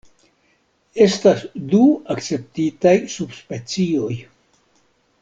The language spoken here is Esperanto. Estas du akceptitaj subspecioj.